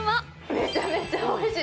めちゃめちゃおいしい。